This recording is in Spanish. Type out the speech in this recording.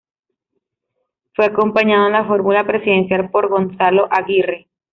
Fue acompañado en la fórmula presidencial por Gonzalo Aguirre.